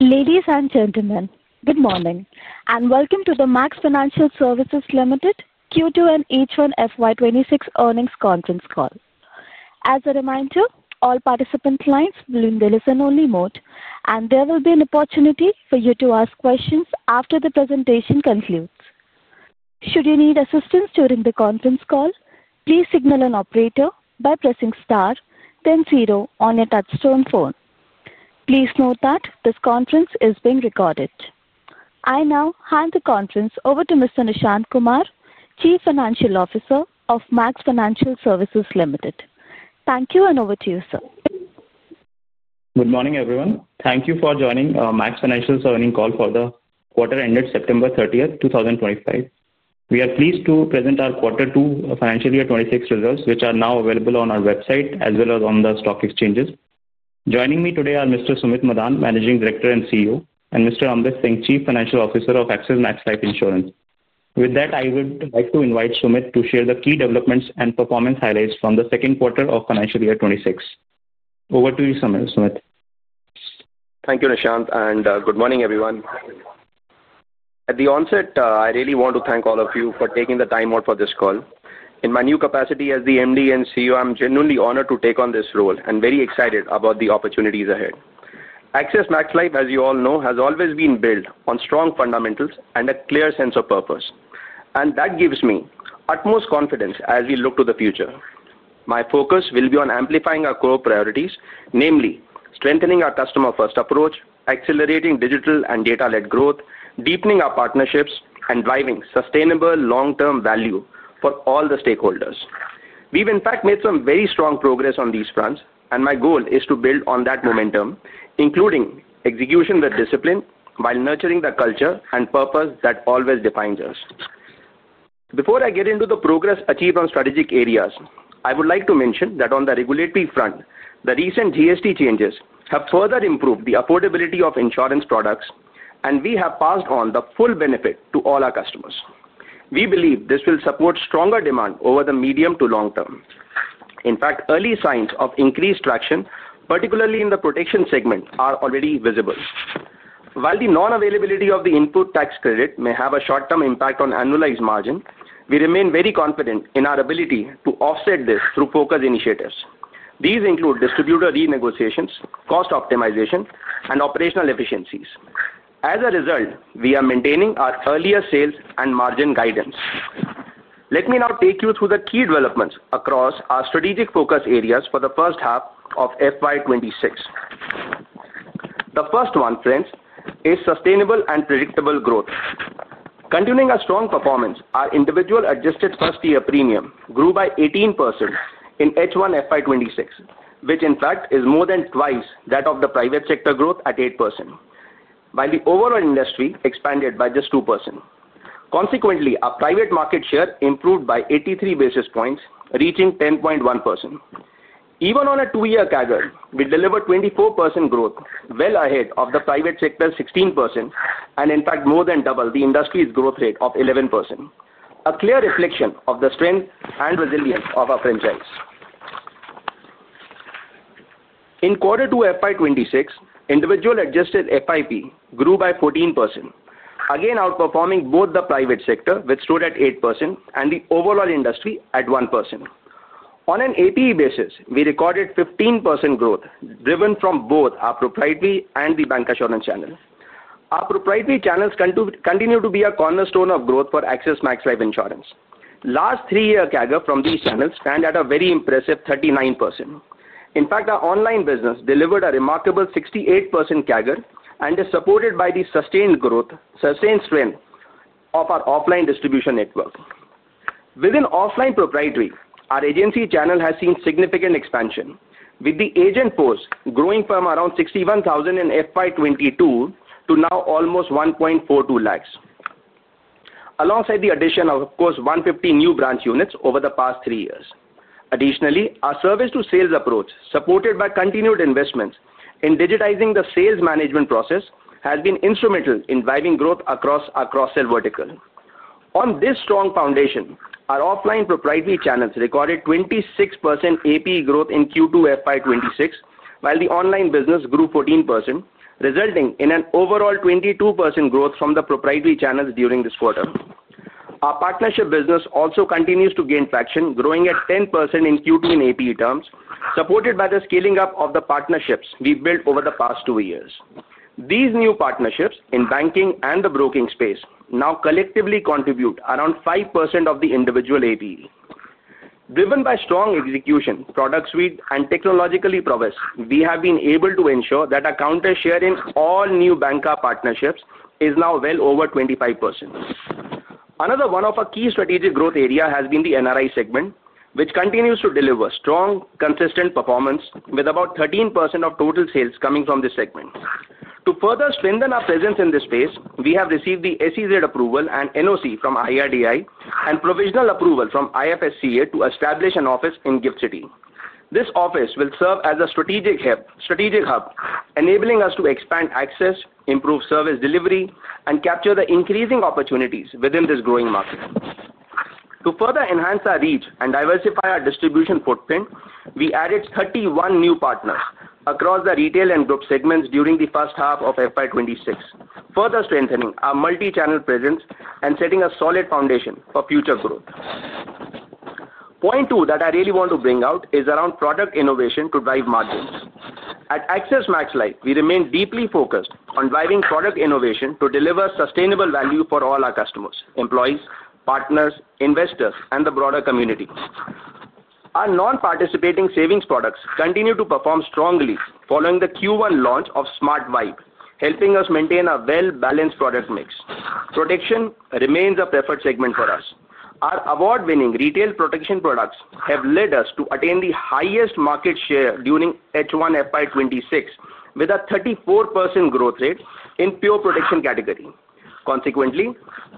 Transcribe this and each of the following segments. Ladies and gentlemen, good morning and welcome to the Max Financial Services Limited Q2 and H1FY 2026 earnings conference call. As a reminder, all participant lines will be in the listen-only mode, and there will be an opportunity for you to ask questions after the presentation concludes. Should you need assistance during the conference call, please signal an operator by pressing star, then zero on your touchstone phone. Please note that this conference is being recorded. I now hand the conference over to Mr. Nishant Kumar, Chief Financial Officer of Max Financial Services Limited. Thank you, and over to you, sir. Good morning, everyone. Thank you for joining Max Financial's earnings call for the quarter ended September 30th, 2025. We are pleased to present our quarter two financial year 2026 results, which are now available on our website as well as on the stock exchanges. Joining me today are Mr. Sumit Madan, Managing Director and CEO, and Mr. Amrit Singh, Chief Financial Officer of Axis Max Life Insurance. With that, I would like to invite Sumit to share the key developments and performance highlights from the second quarter of financial year 2026. Over to you, Sumit. Thank you, Nishant, and good morning, everyone. At the onset, I really want to thank all of you for taking the time out for this call. In my new capacity as the MD and CEO, I'm genuinely honored to take on this role and very excited about the opportunities ahead. Axis Max Life, as you all know, has always been built on strong fundamentals and a clear sense of purpose, and that gives me utmost confidence as we look to the future. My focus will be on amplifying our core priorities, namely strengthening our customer-first approach, accelerating digital and data-led growth, deepening our partnerships, and driving sustainable long-term value for all the stakeholders. We've, in fact, made some very strong progress on these fronts, and my goal is to build on that momentum, including execution with discipline while nurturing the culture and purpose that always defines us. Before I get into the progress achieved on strategic areas, I would like to mention that on the regulatory front, the recent GST changes have further improved the affordability of insurance products, and we have passed on the full benefit to all our customers. We believe this will support stronger demand over the medium to long term. In fact, early signs of increased traction, particularly in the protection segment, are already visible. While the non-availability of the input tax credit may have a short-term impact on annualized margin, we remain very confident in our ability to offset this through focused initiatives. These include distributor renegotiations, cost optimization, and operational efficiencies. As a result, we are maintaining our earlier sales and margin guidance. Let me now take you through the key developments across our strategic focus areas for the first half of FY 2026. The first one, friends, is sustainable and predictable growth. Continuing our strong performance, our individual adjusted first-year premium grew by 18% in H1 FY 2026, which, in fact, is more than twice that of the private sector growth at 8%, while the overall industry expanded by just 2%. Consequently, our private market share improved by 83 basis points, reaching 10.1%. Even on a two-year CAGR, we delivered 24% growth, well ahead of the private sector's 16% and, in fact, more than double the industry's growth rate of 11%, a clear reflection of the strength and resilience of our franchise. In quarter two of FY 2026, individual adjusted FIP grew by 14%, again outperforming both the private sector, which stood at 8%, and the overall industry at 1%. On an APE basis, we recorded 15% growth driven from both our proprietary and the bancassurance channels. Our proprietary channels continue to be a cornerstone of growth for Axis Max Life Insurance. Last three-year CAGR from these channels stand at a very impressive 39%. In fact, our online business delivered a remarkable 68% CAGR and is supported by the sustained strength of our offline distribution network. Within offline proprietary, our agency channel has seen significant expansion, with the agent post growing from around 61,000 in FY 2022 to now almost 1.42 lakh, alongside the addition of, of course, 150 new branch units over the past three years. Additionally, our service-to-sales approach, supported by continued investments in digitizing the sales management process, has been instrumental in driving growth across our cross-sale vertical. On this strong foundation, our offline proprietary channels recorded 26% APE growth in Q2 FY 2026, while the online business grew 14%, resulting in an overall 22% growth from the proprietary channels during this quarter. Our partnership business also continues to gain traction, growing at 10% in Q2 in APE terms, supported by the scaling up of the partnerships we've built over the past two years. These new partnerships in banking and the broking space now collectively contribute around 5% of the individual APE. Driven by strong execution, product suite, and technological prowess, we have been able to ensure that our counter share in all new banker partnerships is now well over 25%. Another one of our key strategic growth areas has been the NRI segment, which continues to deliver strong, consistent performance, with about 13% of total sales coming from this segment. To further strengthen our presence in this space, we have received the SEZ approval and NOC from IRDAI and provisional approval from IFSCA to establish an office in GIFT City. This office will serve as a strategic hub, enabling us to expand access, improve service delivery, and capture the increasing opportunities within this growing market. To further enhance our reach and diversify our distribution footprint, we added 31 new partners across the retail and group segments during the first half of FY 2026, further strengthening our multi-channel presence and setting a solid foundation for future growth. Point two that I really want to bring out is around product innovation to drive margins. At Axis Max Life, we remain deeply focused on driving product innovation to deliver sustainable value for all our customers, employees, partners, investors, and the broader community. Our non-participating savings products continue to perform strongly following the Q1 launch of Smart VIBE, helping us maintain a well-balanced product mix. Protection remains a preferred segment for us. Our award-winning retail protection products have led us to attain the highest market share during H1 FY 2026, with a 34% growth rate in pure protection category. Consequently,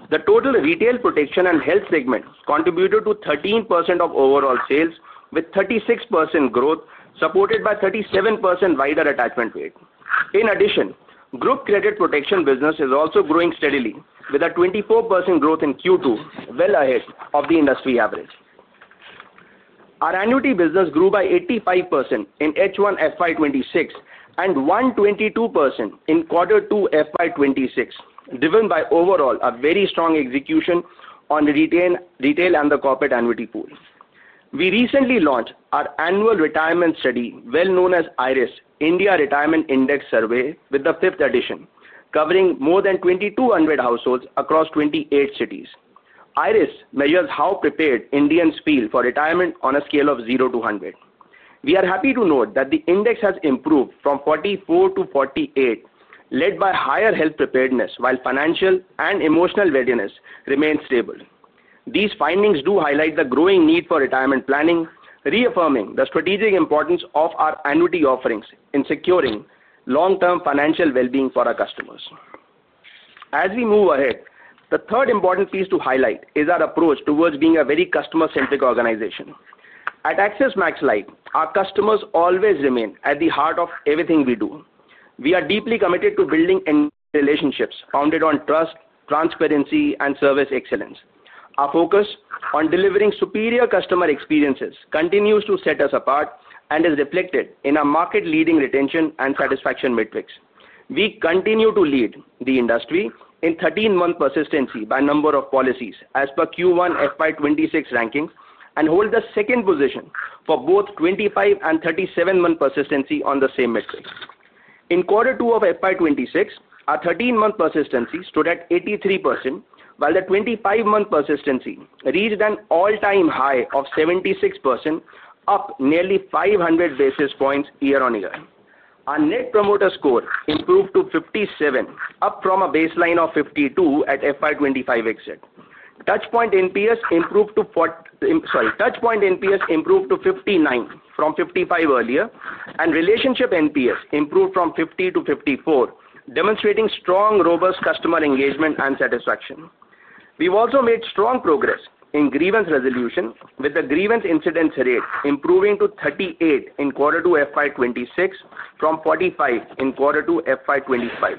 the total retail protection and health segment contributed to 13% of overall sales, with 36% growth supported by 37% wider attachment rate. In addition, group credit protection business is also growing steadily, with a 24% growth in Q2, well ahead of the industry average. Our annuity business grew by 85% in H1 FY 2026 and 122% in quarter two FY 2026, driven by overall a very strong execution on retail and the corporate annuity pool. We recently launched our annual retirement study, well known as IRIS, India Retirement Index Survey, with the fifth edition, covering more than 2,200 households across 28 cities. IRIS measures how prepared Indians feel for retirement on a scale of 0-100. We are happy to note that the index has improved from 42-48, led by higher health preparedness, while financial and emotional readiness remains stable. These findings do highlight the growing need for retirement planning, reaffirming the strategic importance of our annuity offerings in securing long-term financial well-being for our customers. As we move ahead, the third important piece to highlight is our approach towards being a very customer-centric organization. At Axis Max Life, our customers always remain at the heart of everything we do. We are deeply committed to building relationships founded on trust, transparency, and service excellence. Our focus on delivering superior customer experiences continues to set us apart and is reflected in our market-leading retention and satisfaction metrics. We continue to lead the industry in 13-month persistency by number of policies as per Q1 FY 2026 rankings and hold the second position for both 25 and 37-month persistency on the same metrics. In quarter two of FY 2026, our 13-month persistency stood at 83%, while the 25-month persistency reached an all-time high of 76%, up nearly 500 basis points year on year. Our net promoter score improved to 57, up from a baseline of 52 at FY 2025 exit. Touchpoint NPS improved to 59 from 55 earlier, and relationship NPS improved from 50 to 54, demonstrating strong, robust customer engagement and satisfaction. We've also made strong progress in grievance resolution, with the grievance incidence rate improving to 38 in quarter two FY 2026 from 45 in quarter two FY 2025.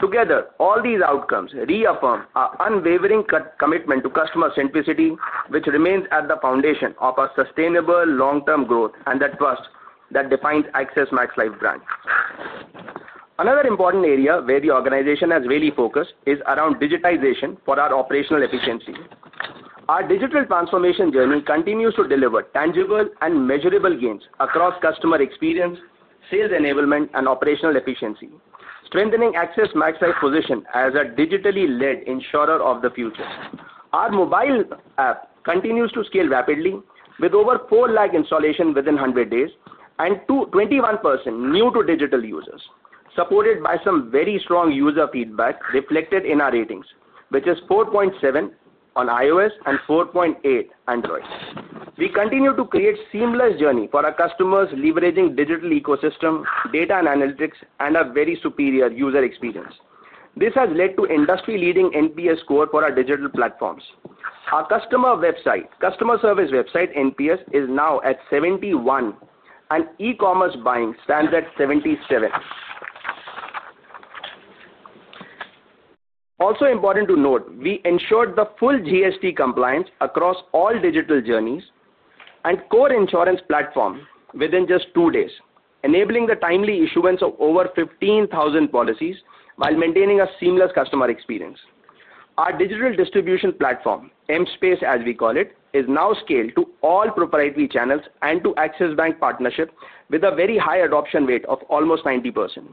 Together, all these outcomes reaffirm our unwavering commitment to customer centricity, which remains at the foundation of our sustainable long-term growth and the trust that defines Axis Max Life brand. Another important area where the organization has really focused is around digitization for our operational efficiency. Our digital transformation journey continues to deliver tangible and measurable gains across customer experience, sales enablement, and operational efficiency, strengthening Axis Max Life's position as a digitally-led insurer of the future. Our mobile app continues to scale rapidly, with over 4 lakh installations within 100 days and 21% new-to-digital users, supported by some very strong user feedback reflected in our ratings, which is 4.7 on iOS and 4.8 on Android. We continue to create a seamless journey for our customers, leveraging the digital ecosystem, data and analytics, and a very superior user experience. This has led to industry-leading NPS scores for our digital platforms. Our customer service website NPS is now at 71, and e-commerce buying stands at 77. Also important to note, we ensured the full GST compliance across all digital journeys and core insurance platform within just two days, enabling the timely issuance of over 15,000 policies while maintaining a seamless customer experience. Our digital distribution platform, mSpace, as we call it, is now scaled to all proprietary channels and to Axis Bank partnership with a very high adoption rate of almost 90%,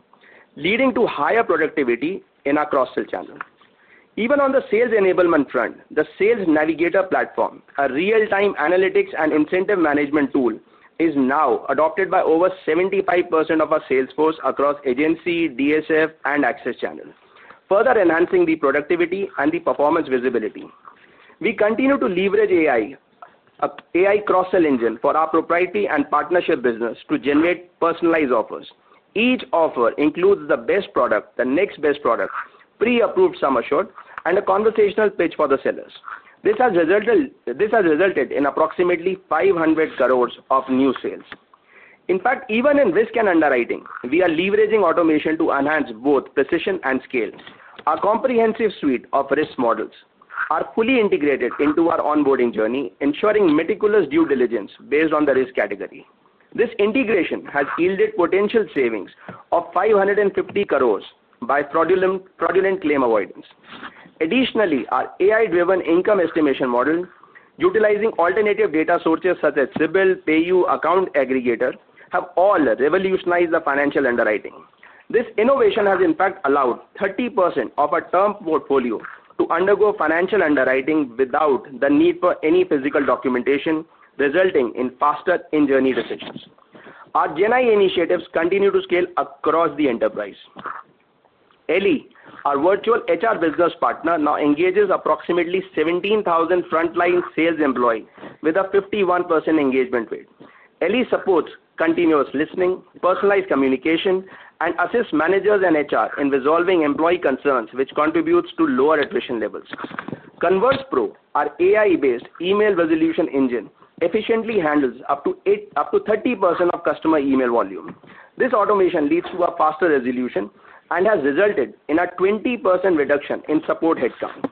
leading to higher productivity in our cross-sale channel. Even on the sales enablement front, the Sales Navigator platform, a real-time analytics and incentive management tool, is now adopted by over 75% of our salesforce across agency, DSF, and Axis channel, further enhancing the productivity and the performance visibility. We continue to leverage AI, AI cross-sale engine for our proprietary and partnership business to generate personalized offers. Each offer includes the best product, the next best product, pre-approved sum assured, and a conversational pitch for the sellers. This has resulted in approximately 500 crore of new sales. In fact, even in risk and underwriting, we are leveraging automation to enhance both precision and scale. Our comprehensive suite of risk models is fully integrated into our onboarding journey, ensuring meticulous due diligence based on the risk category. This integration has yielded potential savings of 550 crore by fraudulent claim avoidance. Additionally, our AI-driven income estimation model, utilizing alternative data sources such as CIBIL, PayU, and Account Aggregator, has all revolutionized the financial underwriting. This innovation has, in fact, allowed 30% of our term portfolio to undergo financial underwriting without the need for any physical documentation, resulting in faster in-journey decisions. Our GenAI initiatives continue to scale across the enterprise. Eli, our virtual HR business partner, now engages approximately 17,000 frontline sales employees with a 51% engagement rate. Eli supports continuous listening, personalized communication, and assists managers and HR in resolving employee concerns, which contributes to lower attrition levels. Converse Pro, our AI-based email resolution engine, efficiently handles up to 30% of customer email volume. This automation leads to a faster resolution and has resulted in a 20% reduction in support headcount.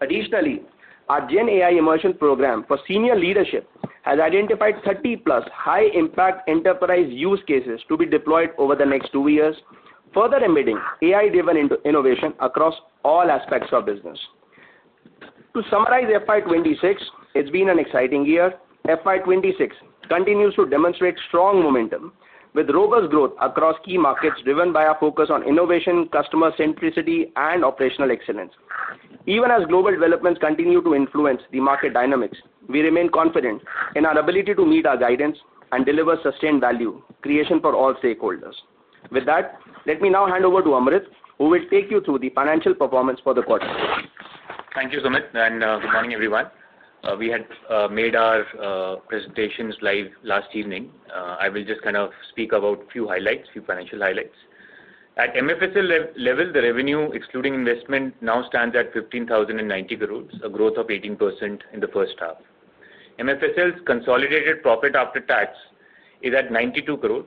Additionally, our GenAI immersion program for senior leadership has identified 30+ high-impact enterprise use cases to be deployed over the next two years, further embedding AI-driven innovation across all aspects of business. To summarize FY 2026, it has been an exciting year. FY 2026 continues to demonstrate strong momentum with robust growth across key markets driven by our focus on innovation, customer centricity, and operational excellence. Even as global developments continue to influence the market dynamics, we remain confident in our ability to meet our guidance and deliver sustained value creation for all stakeholders. With that, let me now hand over to Amrit, who will take you through the financial performance for the quarter. Thank you, Sumit. And good morning, everyone. We had made our presentations live last evening. I will just kind of speak about a few highlights, a few financial highlights. At MFSL level, the revenue, excluding investment, now stands at 15,090 crore, a growth of 18% in the first half. MFSL's consolidated profit after tax is at 92 crore.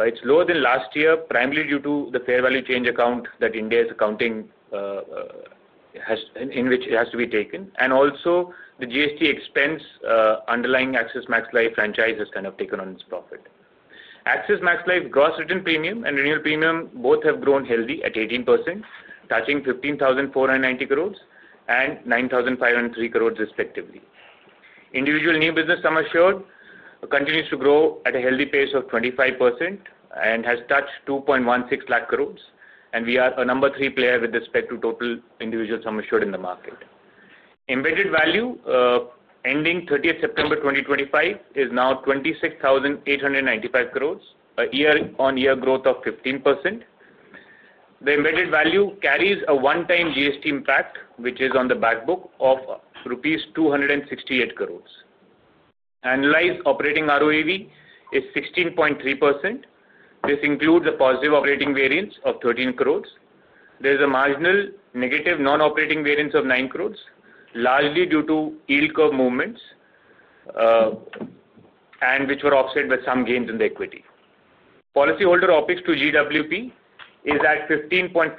It's lower than last year, primarily due to the fair value change account that India is accounting in which it has to be taken. Also, the GST expense underlying Axis Max Life franchise has kind of taken on its profit. Axis Max Life gross written premium and renewal premium both have grown healthy at 18%, touching 15,490 crore and 9,503 crore, respectively. Individual new business sum assured continues to grow at a healthy pace of 25% and has touched 2.16 lakh crore. We are a number three player with respect to total individual sum assured in the market. Embedded value, ending 30th September 2025, is now 26,895 crore, a year-on-year growth of 15%. The embedded value carries a one-time GST impact, which is on the backbook of rupees 268 crore. Analyzed operating ROEV is 16.3%. This includes a positive operating variance of 13 crore. There is a marginal negative non-operating variance of 9 crore, largely due to yield curve movements and which were offset with some gains in the equity. Policyholder OpEx to GWP is at 15.5%.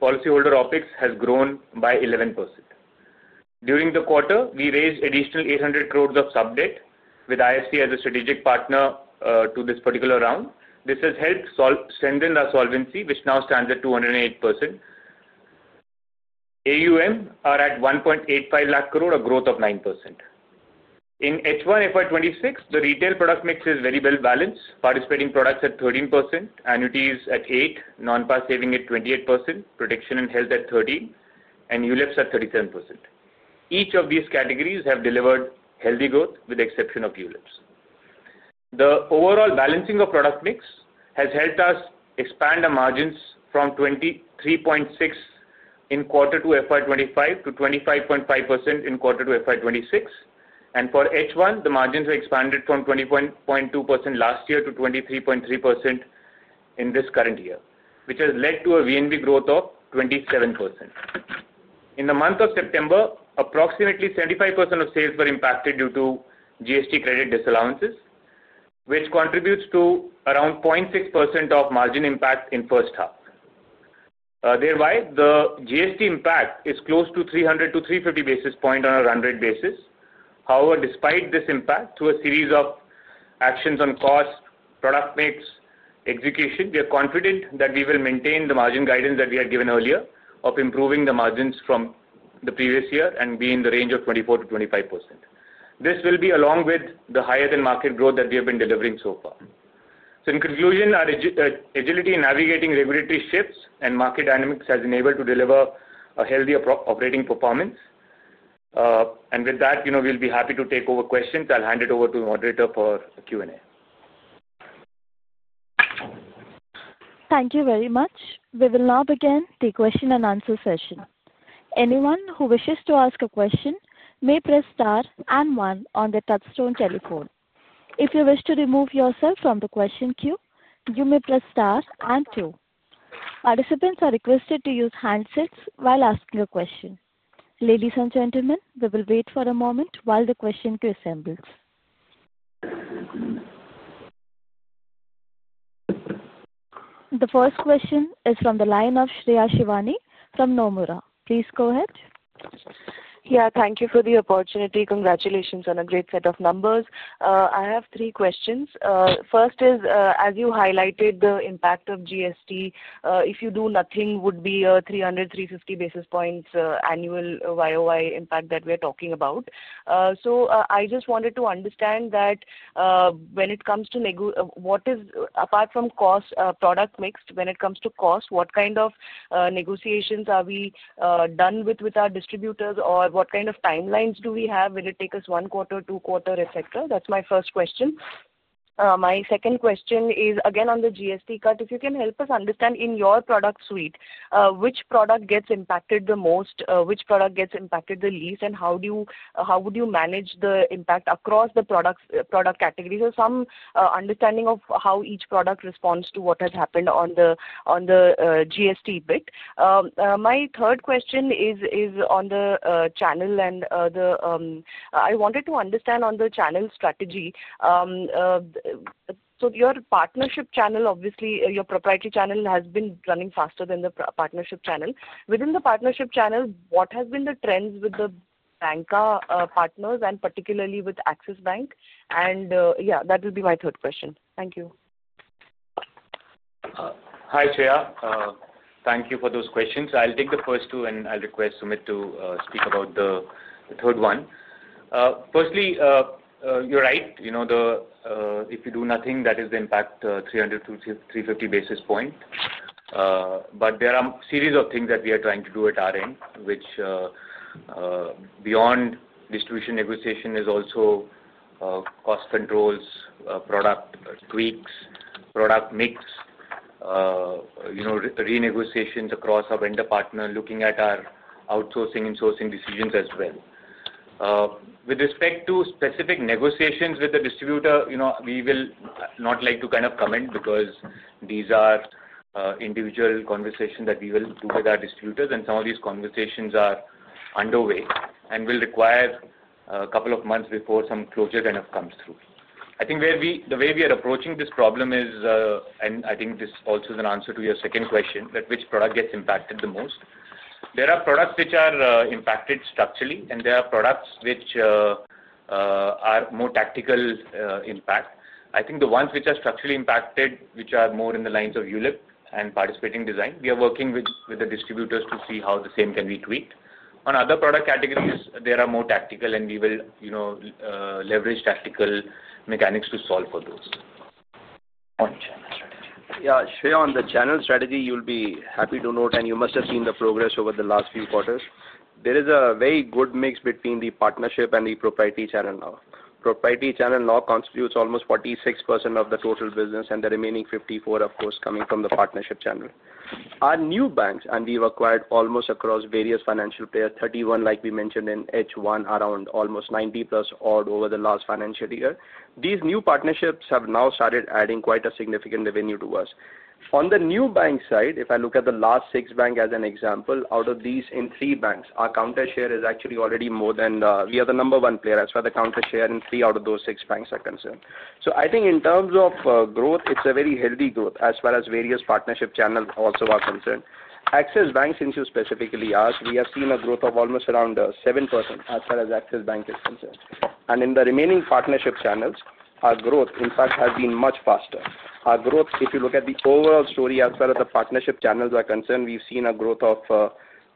Policyholder OpEx has grown by 11%. During the quarter, we raised additional 800 crore of subdebt with IFC as a strategic partner to this particular round. This has helped strengthen our solvency, which now stands at 208%. AUM are at 1.85 lakh crore, a growth of 9%. In H1 FY 2026, the retail product mix is very well balanced. Participating products at 13%, annuities at 8%, non-par saving at 28%, protection and health at 13%, and ULIPs at 37%. Each of these categories has delivered healthy growth with the exception of ULIPs. The overall balancing of product mix has helped us expand our margins from 23.6% in quarter two FY 2025 to 25.5% in quarter two FY 2026. For H1, the margins have expanded from 20.2% last year to 23.3% in this current year, which has led to a VNB growth of 27%. In the month of September, approximately 75% of sales were impacted due to GST credit disallowances, which contributes to around 0.6% of margin impact in the first half. Thereby, the GST impact is close to 300-350 basis points on a run rate basis. However, despite this impact, through a series of actions on cost, product mix, and execution, we are confident that we will maintain the margin guidance that we had given earlier of improving the margins from the previous year and being in the range of 24%-25%. This will be along with the higher-than-market growth that we have been delivering so far. In conclusion, our agility in navigating regulatory shifts and market dynamics has enabled us to deliver a healthy operating performance. With that, we'll be happy to take over questions. I'll hand it over to the moderator for Q&A. Thank you very much. We will now begin the question and answer session. Anyone who wishes to ask a question may press star and one on the touchstone telephone. If you wish to remove yourself from the question queue, you may press star and two. Participants are requested to use handshakes while asking a question. Ladies and gentlemen, we will wait for a moment while the question queue assembles. The first question is from the line of Shreya Shivani from Nomura. Please go ahead. Yeah, thank you for the opportunity. Congratulations on a great set of numbers. I have three questions. First is, as you highlighted, the impact of GST, if you do nothing, would be a 300-350 basis points annual YoY impact that we are talking about. I just wanted to understand that when it comes to, apart from cost, product mix, when it comes to cost, what kind of negotiations are we done with our distributors, or what kind of timelines do we have? Will it take us one quarter, two quarters, etc.? That is my first question. My second question is, again, on the GST cut, if you can help us understand in your product suite, which product gets impacted the most, which product gets impacted the least, and how would you manage the impact across the product categories? Some understanding of how each product responds to what has happened on the GST bit. My third question is on the channel, and I wanted to understand on the channel strategy. Your partnership channel, obviously, your proprietary channel has been running faster than the partnership channel. Within the partnership channel, what have been the trends with the banker partners and particularly with Axis Bank? That will be my third question. Thank you. Hi, Shreya. Thank you for those questions. I'll take the first two, and I'll request Sumit to speak about the third one. Firstly, you're right. If you do nothing, that is the impact, 300-350 basis points. There are a series of things that we are trying to do at our end, which beyond distribution negotiation is also cost controls, product tweaks, product mix, renegotiations across our vendor partner, looking at our outsourcing and sourcing decisions as well. With respect to specific negotiations with the distributor, we will not like to kind of comment because these are individual conversations that we will do with our distributors, and some of these conversations are underway and will require a couple of months before some closure kind of comes through. I think the way we are approaching this problem is, and I think this also is an answer to your second question, that which product gets impacted the most. There are products which are impacted structurally, and there are products which are more tactical impact. I think the ones which are structurally impacted, which are more in the lines of ULEP and participating design, we are working with the distributors to see how the same can be tweaked. On other product categories, there are more tactical, and we will leverage tactical mechanics to solve for those. On channel strategy. Yeah, Shreya, on the channel strategy, you'll be happy to note, and you must have seen the progress over the last few quarters. There is a very good mix between the partnership and the proprietary channel now. Proprietary channel now constitutes almost 46% of the total business, and the remaining 54%, of course, coming from the partnership channel. Our new banks, and we've acquired almost across various financial players, 31, like we mentioned in H1, around almost 90-plus-odd over the last financial year. These new partnerships have now started adding quite a significant revenue to us. On the new bank side, if I look at the last six banks as an example, out of these in three banks, our counter share is actually already more than we are the number one player as far as the counter share in three out of those six banks are concerned. I think in terms of growth, it's a very healthy growth as far as various partnership channels also are concerned. Axis Bank, since you specifically asked, we have seen a growth of almost around 7% as far as Axis Bank is concerned. In the remaining partnership channels, our growth, in fact, has been much faster. Our growth, if you look at the overall story as far as the partnership channels are concerned, we've seen a growth of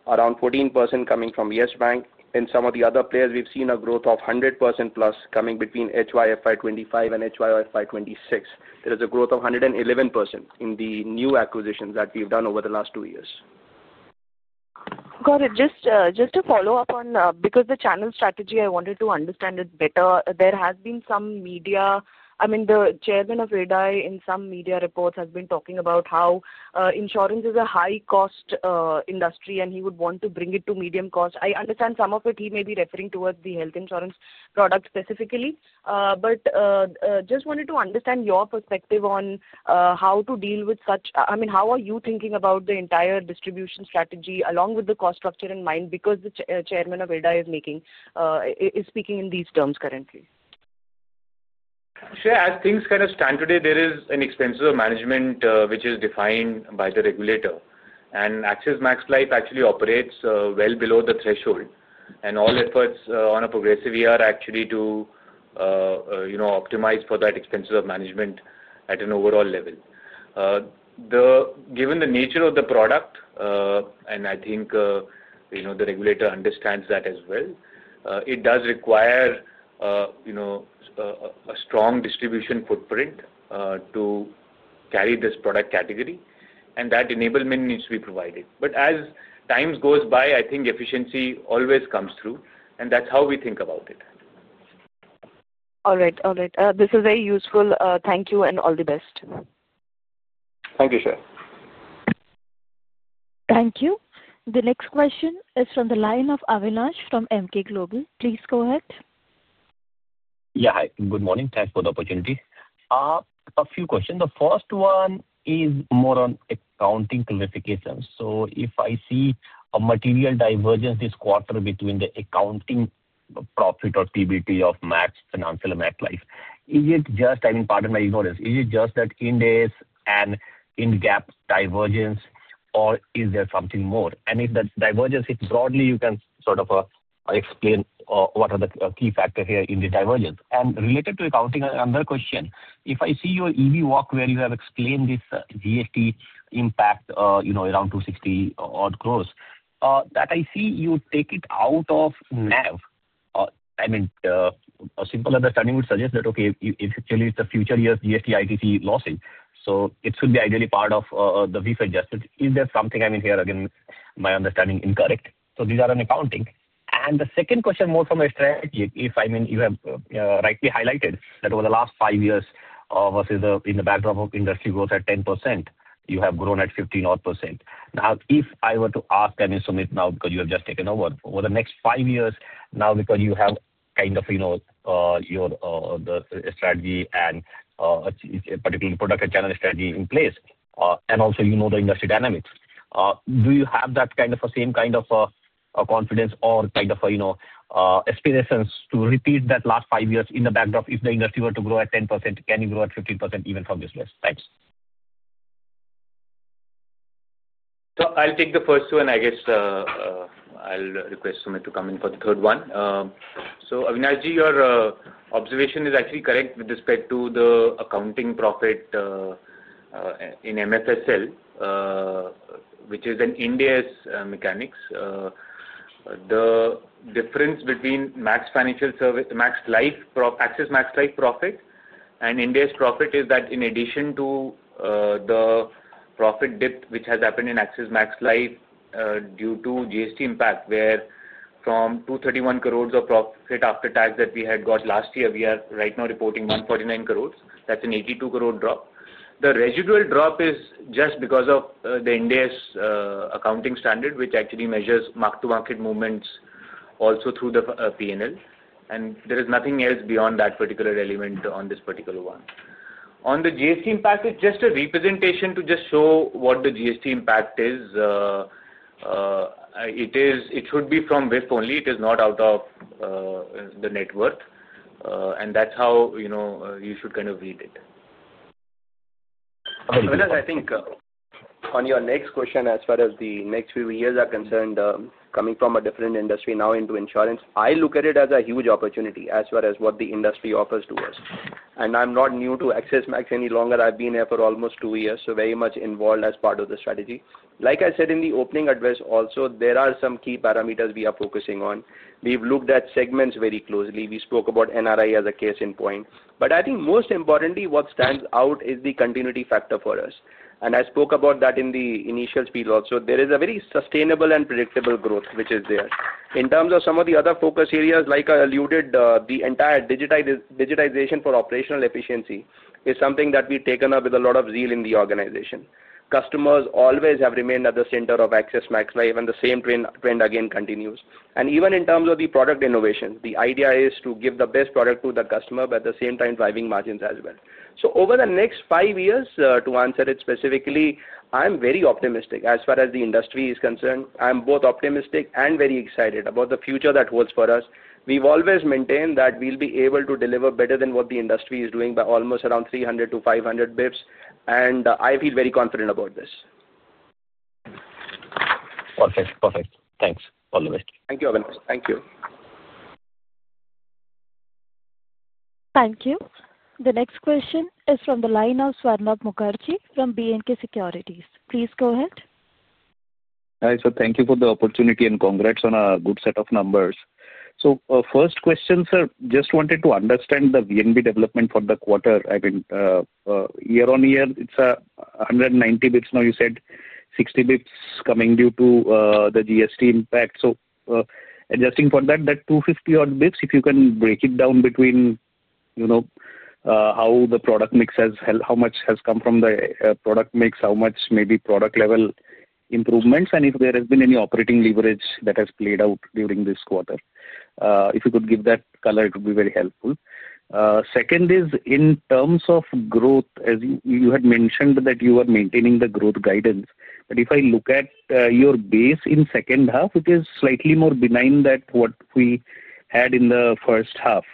around 14% coming from Yes Bank. In some of the other players, we've seen a growth of 100% plus coming between H1 FY 2025 and H1 FY 2026. There is a growth of 111% in the new acquisitions that we've done over the last two years. Got it. Just to follow up on, because the channel strategy, I wanted to understand it better, there has been some media—I mean, the chairman of IRDAI, in some media reports, has been talking about how insurance is a high-cost industry, and he would want to bring it to medium cost. I understand some of it he may be referring towards the health insurance product specifically. I just wanted to understand your perspective on how to deal with such—I mean, how are you thinking about the entire distribution strategy along with the cost structure in mind? Because the chairman of IRDAI is speaking in these terms currently. Shreya, as things kind of stand today, there is an expenses of management which is defined by the regulator. Axis Max Life actually operates well below the threshold. All efforts on a progressive year are actually to optimize for that expenses of management at an overall level. Given the nature of the product, and I think the regulator understands that as well, it does require a strong distribution footprint to carry this product category. That enablement needs to be provided. As time goes by, I think efficiency always comes through. That is how we think about it. All right. All right. This is very useful. Thank you and all the best. Thank you, Shreya. Thank you. The next question is from the line of Avinash from Emkay Global. Please go ahead. Yeah, hi. Good morning. Thanks for the opportunity. A few questions. The first one is more on accounting clarifications. If I see a material divergence this quarter between the accounting profit or PBT of Max Financial and Max Life, is it just—I mean, pardon my ignorance—is it just that Ind AS and IN GAAP divergence, or is there something more? If that divergence is broad, you can sort of explain what are the key factors here in the divergence. Related to accounting, another question. If I see your EV walk where you have explained this GST impact around 260 crore, that I see you take it out of NAV. I mean, a simple understanding would suggest that, okay, if it is the future years' GST ITC losses, it should be ideally part of the VIF adjustment. Is there something—I mean, here again, my understanding is incorrect. These are on accounting. The second question, more from a strategic, if I mean, you have rightly highlighted that over the last five years, in the backdrop of industry growth at 10%, you have grown at 15%-odd. Now, if I were to ask any Sumit now, because you have just taken over, over the next five years, now because you have kind of your strategy and particularly product and channel strategy in place, and also you know the industry dynamics, do you have that kind of a same kind of confidence or kind of aspirations to repeat that last five years in the backdrop? If the industry were to grow at 10%, can you grow at 15% even from this list? Thanks. I'll take the first one, and I guess I'll request Sumit to come in for the third one. Avinashji, your observation is actually correct with respect to the accounting profit in MFSL, which is an in-days mechanics. The difference between Max Financial Services, Max Life, Axis Max Life profit, and in-days profit is that in addition to the profit dip which has happened in Axis Max Life due to GST impact, where from 231 crore of profit after tax that we had got last year, we are right now reporting 149 crore. That's an 82 crore drop. The residual drop is just because of the in-days accounting standard, which actually measures mark-to-market movements also through the P&L. There is nothing else beyond that particular element on this particular one. On the GST impact, it's just a representation to just show what the GST impact is. It should be from WIF only. It is not out of the net worth. That is how you should kind of read it. Avinash, I think on your next question as far as the next few years are concerned, coming from a different industry now into insurance, I look at it as a huge opportunity as far as what the industry offers to us. I am not new to Axis Max any longer. I have been here for almost two years, so very much involved as part of the strategy. Like I said in the opening address also, there are some key parameters we are focusing on. We have looked at segments very closely. We spoke about NRI as a case in point. I think most importantly, what stands out is the continuity factor for us. I spoke about that in the initial speed also. There is a very sustainable and predictable growth which is there. In terms of some of the other focus areas, like I alluded, the entire digitization for operational efficiency is something that we've taken up with a lot of zeal in the organization. Customers always have remained at the center of Axis Max Life, and the same trend again continues. Even in terms of the product innovation, the idea is to give the best product to the customer but at the same time driving margins as well. Over the next five years, to answer it specifically, I'm very optimistic as far as the industry is concerned. I'm both optimistic and very excited about the future that holds for us. We've always maintained that we'll be able to deliver better than what the industry is doing by almost around 300-500 basis points. I feel very confident about this. Perfect. Perfect. Thanks. All the best. Thank you, Avinash. Thank you. Thank you. The next question is from the line of Swarnabha Mukherjee from B&K Securities. Please go ahead. Hi, sir. Thank you for the opportunity and congrats on a good set of numbers. First question, sir, just wanted to understand the VNB development for the quarter. I mean, year-on-year, it is 190 basis points now. You said 60 basis points coming due to the GST impact. Adjusting for that, that 250-odd basis points, if you can break it down between how the product mix has held, how much has come from the product mix, how much maybe product-level improvements, and if there has been any operating leverage that has played out during this quarter. If you could give that color, it would be very helpful. Second is, in terms of growth, as you had mentioned that you are maintaining the growth guidance. If I look at your base in the second half, it is slightly more benign than what we had in the first half.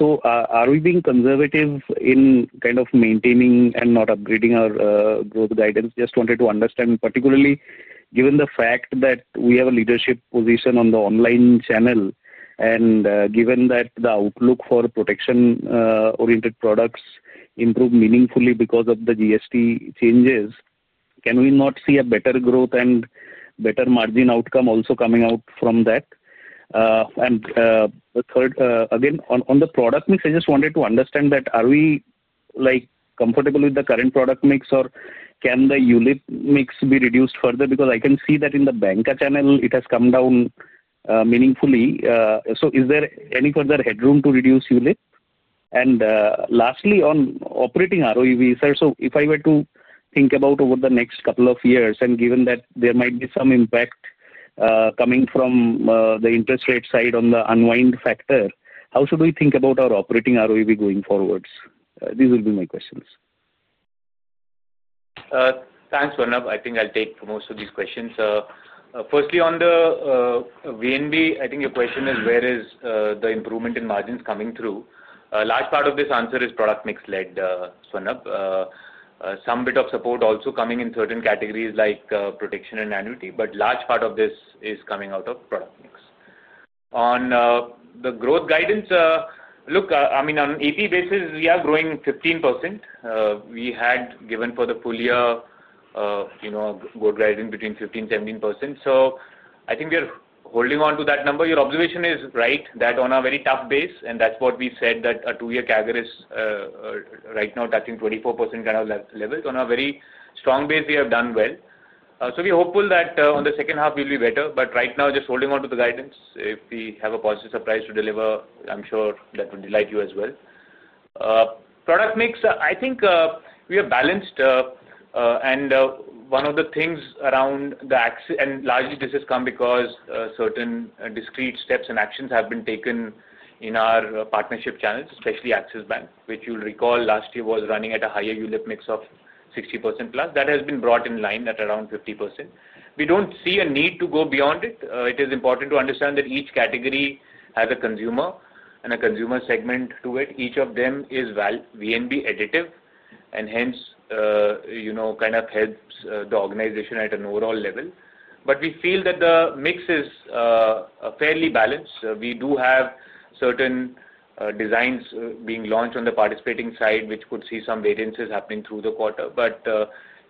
Are we being conservative in kind of maintaining and not upgrading our growth guidance? I just wanted to understand, particularly given the fact that we have a leadership position on the online channel and given that the outlook for protection-oriented products improved meaningfully because of the GST changes, can we not see a better growth and better margin outcome also coming out from that? Third, again, on the product mix, I just wanted to understand that are we comfortable with the current product mix, or can the ULEP mix be reduced further? I can see that in the banker channel, it has come down meaningfully. Is there any further headroom to reduce ULEP? Lastly, on operating ROEV, sir, if I were to think about over the next couple of years, and given that there might be some impact coming from the interest rate side on the unwind factor, how should we think about our operating ROEV going forwards? These will be my questions. Thanks, Swarnabha. I think I'll take most of these questions. Firstly, on the VNB, I think your question is, where is the improvement in margins coming through? A large part of this answer is product mix-led, Swarnabha. Some bit of support also coming in certain categories like protection and annuity, but a large part of this is coming out of product mix. On the growth guidance, look, I mean, on an APE basis, we are growing 15%. We had given for the full year a growth guidance between 15% and 17%. I think we are holding on to that number. Your observation is right that on a very tough base, and that's what we said, that a two-year CAGR is right now touching 24% kind of levels. On a very strong base, we have done well. We are hopeful that in the second half, we will be better. Right now, just holding on to the guidance. If we have a positive surprise to deliver, I am sure that will delight you as well. Product mix, I think we are balanced. One of the things around the Axis, and largely this has come because certain discrete steps and actions have been taken in our partnership channels, especially Axis Bank, which you will recall last year was running at a higher ULEP mix of 60%+. That has been brought in line at around 50%. We don't see a need to go beyond it. It is important to understand that each category has a consumer and a consumer segment to it. Each of them is VNB additive, and hence kind of helps the organization at an overall level. We feel that the mix is fairly balanced. We do have certain designs being launched on the participating side, which could see some variances happening through the quarter.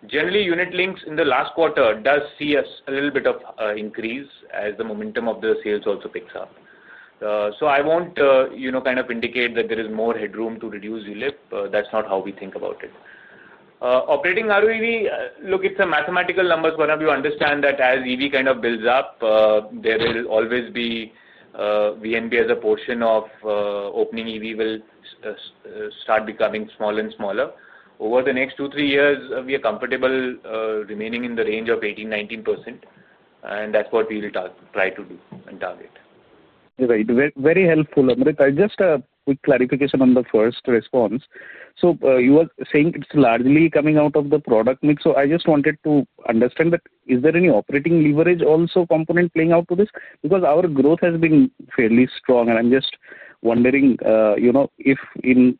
Generally, unit links in the last quarter does see a little bit of increase as the momentum of the sales also picks up. I won't kind of indicate that there is more headroom to reduce ULEP. That's not how we think about it. Operating ROEV, look, it's a mathematical number. Swarnabha, you understand that as EV kind of builds up, there will always be VNB as a portion of opening EV will start becoming smaller and smaller. Over the next two, three years, we are comfortable remaining in the range of 18%-19%. That is what we will try to do and target. Right. Very helpful. Amrit, just a quick clarification on the first response. You were saying it is largely coming out of the product mix. I just wanted to understand, is there any operating leverage also component playing out to this? Because our growth has been fairly strong. I am just wondering if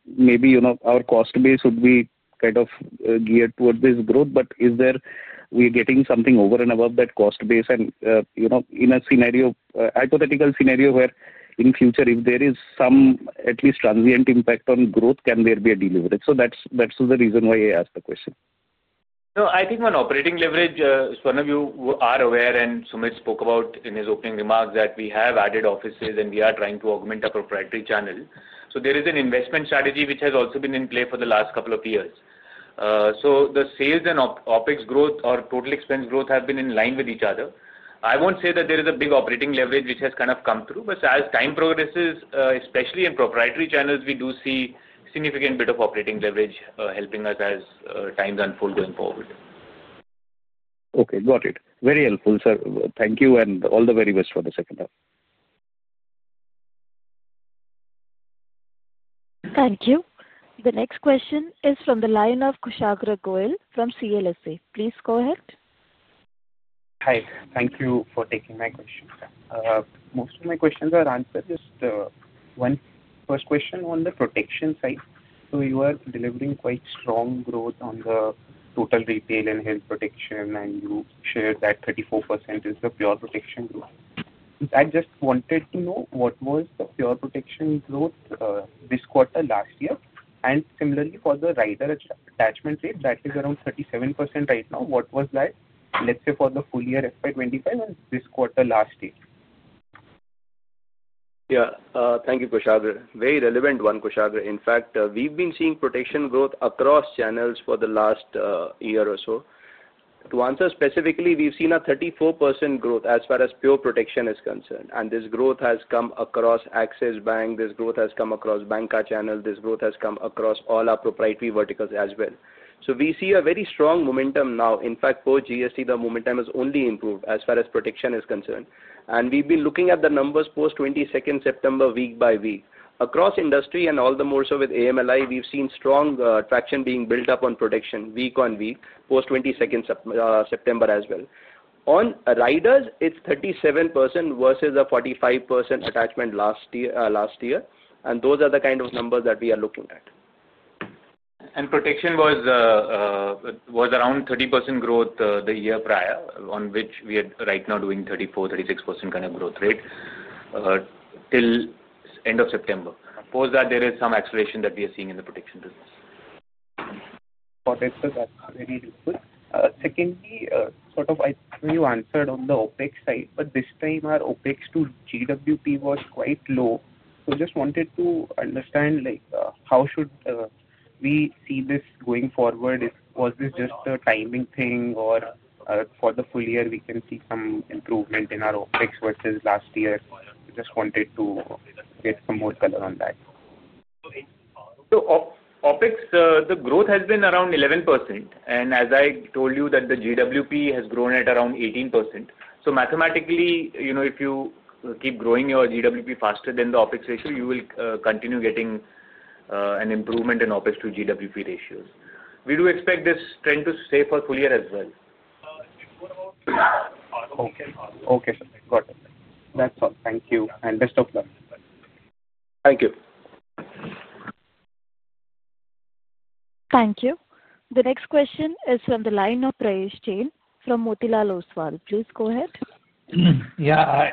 maybe our cost base would be kind of geared towards this growth. Is there, are we getting something over and above that cost base? In a scenario, hypothetical scenario where in future, if there is some at least transient impact on growth, can there be a delivery? That is the reason why I asked the question. I think on operating leverage, Swarnabha, you are aware, and Sumit spoke about in his opening remarks that we have added offices and we are trying to augment a proprietary channel. There is an investment strategy which has also been in play for the last couple of years. The sales and OpEx growth or total expense growth have been in line with each other. I will not say that there is a big operating leverage which has kind of come through. As time progresses, especially in proprietary channels, we do see a significant bit of operating leverage helping us as times unfold going forward. Okay. Got it. Very helpful, sir. Thank you. All the very best for the second half. Thank you. The next question is from the line of Kushagra Goel from CLSA. Please go ahead. Hi. Thank you for taking my question. Most of my questions are answered. Just one first question on the protection side. You are delivering quite strong growth on the total retail and health protection, and you shared that 34% is the pure protection growth. I just wanted to know what was the pure protection growth this quarter last year? Similarly, for the rider attachment rate, that is around 37% right now. What was that, let's say, for the full year FY 2025 and this quarter last year? Thank you, Kushagra. Very relevant one, Kushagra. In fact, we've been seeing protection growth across channels for the last year or so. To answer specifically, we've seen a 34% growth as far as pure protection is concerned. This growth has come across Axis Bank. This growth has come across banker channel. This growth has come across all our proprietary verticals as well. We see a very strong momentum now. In fact, post-GST, the momentum has only improved as far as protection is concerned. We've been looking at the numbers post-22nd September week by week. Across industry and all the more so with AMLI, we've seen strong traction being built up on protection week on week post-22nd September as well. On riders, it's 37% versus a 45% attachment last year. Those are the kind of numbers that we are looking at. Protection was around 30% growth the year prior, on which we are right now doing 34%-36% kind of growth rate till end of September. Post that, there is some acceleration that we are seeing in the protection business. Got it. That's very helpful. Secondly, I think you answered on the OpEx side, but this time our OpEx to GWP was quite low. Just wanted to understand how should we see this going forward? Was this just a timing thing, or for the full year, we can see some improvement in our OpEx versus last year? Just wanted to get some more color on that. OpEx growth has been around 11%. As I told you, the GWP has grown at around 18%. Mathematically, if you keep growing your GWP faster than the OpEx ratio, you will continue getting an improvement in OpEx to GWP ratios. We do expect this trend to stay for the full year as well. Okay. Got it. That's all. Thank you. Best of luck. Thank you. Thank you. The next question is from the line of Prayesh Jain from Motilal Oswal. Please go ahead. Yeah.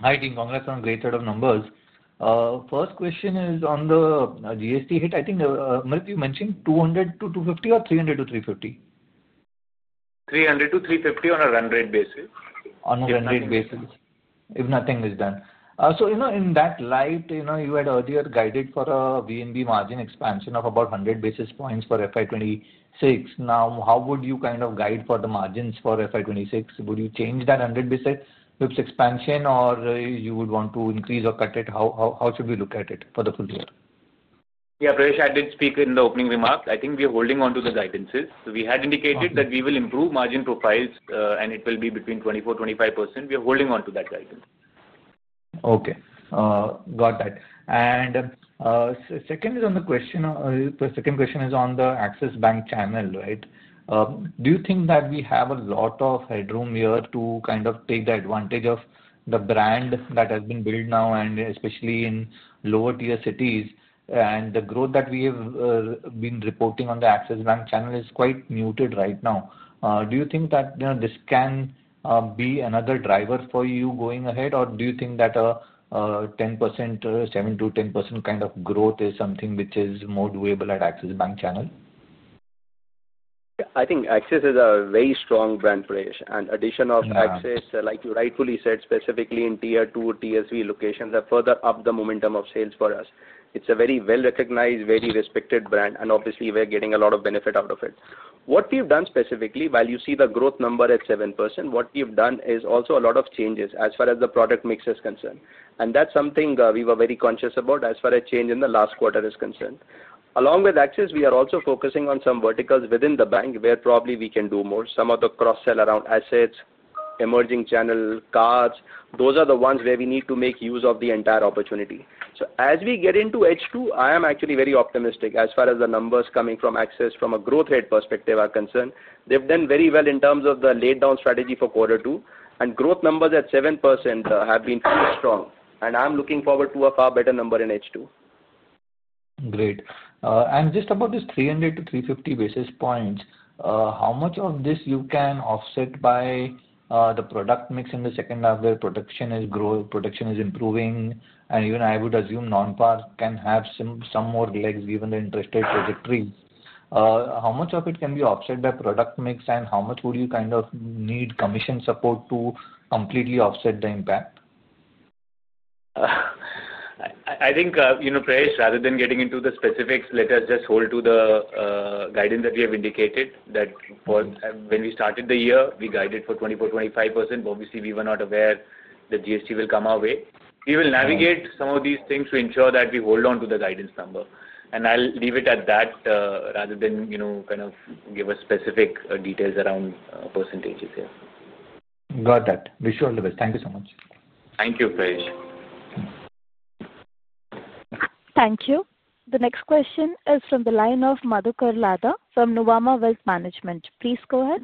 Hi, team. Congrats on a great set of numbers. First question is on the GST hit. I think, Amrit, you mentioned 200-250 basis points or 300-350 basis points? 300-350 on a run rate basis. On a run rate basis, if nothing is done. In that light, you had earlier guided for a VNB margin expansion of about 100 basis points for FY 2026. Now, how would you kind of guide for the margins for FY 2026? Would you change that 100 basis points expansion, or you would want to increase or cut it? How should we look at it for the full year? Yeah. Prayesh, I did speak in the opening remarks. I think we are holding on to the guidances. We had indicated that we will improve margin profiles, and it will be between 24%-25%. We are holding on to that guidance. Okay. Got that. Secondly, the second question is on the Axis Bank channel, right? Do you think that we have a lot of headroom here to kind of take the advantage of the brand that has been built now, and especially in lower-tier cities? The growth that we have been reporting on the Axis Bank channel is quite muted right now. Do you think that this can be another driver for you going ahead, or do you think that a 7%-10% kind of growth is something which is more doable at Axis Bank channel? I think Axis is a very strong brand, Prayesh. Addition of Axis, like you rightfully said, specifically in tier two, tier three locations, that further up the momentum of sales for us. It is a very well-recognized, very respected brand, and obviously, we are getting a lot of benefit out of it. What we have done specifically, while you see the growth number at 7%, what we have done is also a lot of changes as far as the product mix is concerned. That is something we were very conscious about as far as change in the last quarter is concerned. Along with Axis, we are also focusing on some verticals within the bank where probably we can do more. Some of the cross-sell around assets, emerging channel, cards. Those are the ones where we need to make use of the entire opportunity. As we get into H2, I am actually very optimistic as far as the numbers coming from Axis from a growth rate perspective are concerned. They've done very well in terms of the laid-down strategy for quarter two. Growth numbers at 7% have been pretty strong. I'm looking forward to a far better number in H2. Great. Just about this 300-350 basis points, how much of this can you offset by the product mix in the second half where production is improving? I would assume non-par can have some more legs given the interest rate trajectory. How much of it can be offset by product mix, and how much would you kind of need commission support to completely offset the impact? I think, Prayesh, rather than getting into the specifics, let us just hold to the guidance that we have indicated that when we started the year, we guided for 24%-25%. Obviously, we were not aware that GST will come our way. We will navigate some of these things to ensure that we hold on to the guidance number. I'll leave it at that rather than kind of give specific details around percentages here. Got that. We sure will. Thank you so much. Thank you, Prayesh. Thank you. The next question is from the line of Madhukar Ladha from Nuvama Wealth Management. Please go ahead.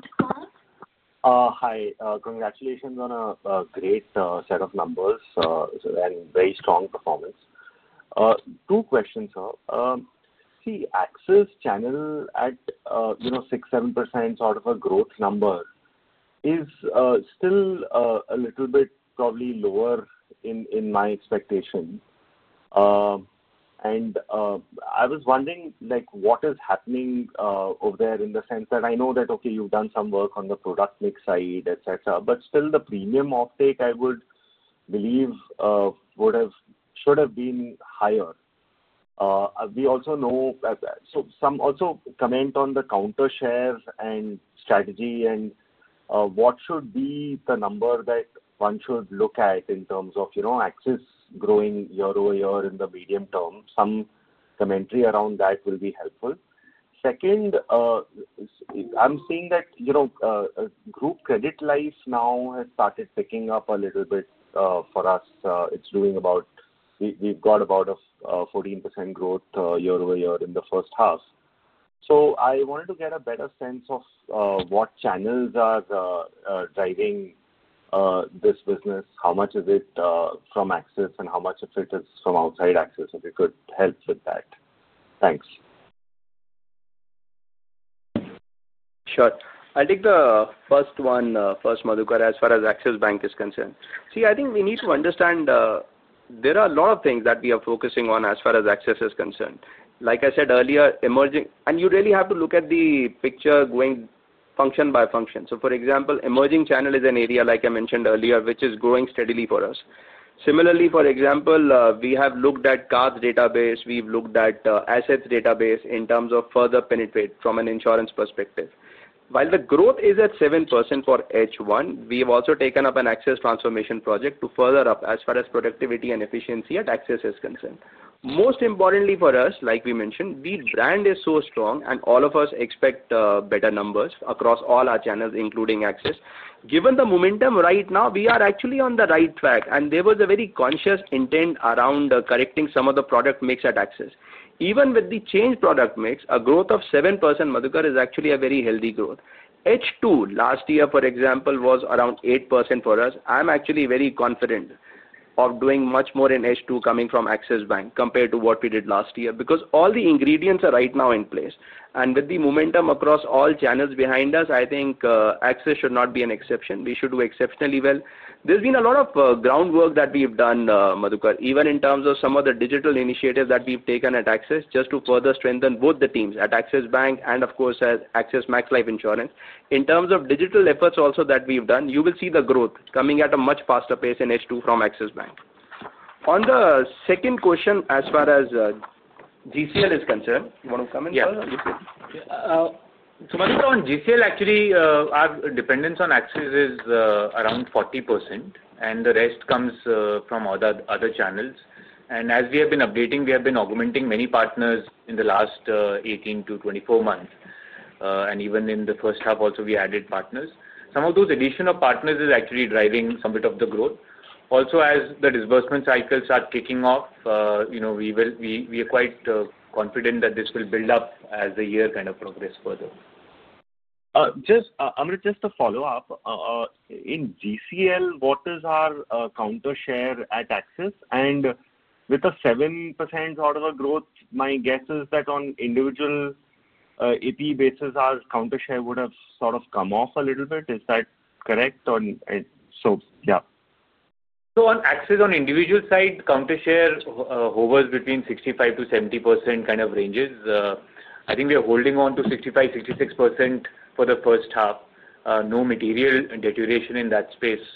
Hi. Congratulations on a great set of numbers. It's a very strong performance. Two questions, sir. See, Axis channel at 6%-7% sort of a growth number is still a little bit probably lower in my expectation. I was wondering what is happening over there in the sense that I know that, okay, you've done some work on the product mix side, etc. but still, the premium uptake, I would believe, should have been higher. We also know some also comment on the counter shares and strategy, and what should be the number that one should look at in terms of Axis growing year-over-year in the medium term? Some commentary around that will be helpful. Second, I'm seeing that group credit life now has started picking up a little bit for us. It's doing about, we've got about a 14% growth year over year in the first half. I wanted to get a better sense of what channels are driving this business, how much of it from Axis, and how much of it is from outside Axis, if it could help with that. Thanks. Sure. I'll take the first one, first, Madhukar, as far as Axis Bank is concerned. See, I think we need to understand there are a lot of things that we are focusing on as far as Axis is concerned. Like I said earlier, emerging and you really have to look at the picture going function by function. For example, emerging channel is an area, like I mentioned earlier, which is growing steadily for us. Similarly, for example, we have looked at cards database. We've looked at assets database in terms of further penetrate from an insurance perspective. While the growth is at 7% for H1, we have also taken up an Axis transformation project to further up as far as productivity and efficiency at Axis is concerned. Most importantly for us, like we mentioned, the brand is so strong, and all of us expect better numbers across all our channels, including Axis. Given the momentum right now, we are actually on the right track. There was a very conscious intent around correcting some of the product mix at Axis. Even with the changed product mix, a growth of 7%, Madhukar, is actually a very healthy growth. H2 last year, for example, was around 8% for us. I'm actually very confident of doing much more in H2 coming from Axis Bank compared to what we did last year because all the ingredients are right now in place. With the momentum across all channels behind us, I think Axis should not be an exception. We should do exceptionally well. There's been a lot of groundwork that we've done, Madhukar, even in terms of some of the digital initiatives that we've taken at Axis just to further strengthen both the teams at Axis Bank and, of course, at Axis Max Life Insurance. In terms of digital efforts also that we've done, you will see the growth coming at a much faster pace in H2 from Axis Bank. On the second question, as far as GCL is concerned, you want to comment first or GCL? Madhukar, on GCL, actually, our dependence on Axis is around 40%, and the rest comes from other channels. As we have been updating, we have been augmenting many partners in the last 18-24 months. Even in the first half, also, we added partners. Some of those additional partners are actually driving some bit of the growth. Also, as the disbursement cycles are kicking off, we are quite confident that this will build up as the year kind of progresses further. Just, Amrit, just to follow up, in GCL, what is our counter share at Axis? And with a 7% sort of a growth, my guess is that on individual APE basis, our counter share would have sort of come off a little bit. Is that correct? Yeah. On Axis, on individual side, counter share hovers between 65%-70% kind of ranges. I think we are holding on to 65%, 66% for the first half. No material deterioration in that space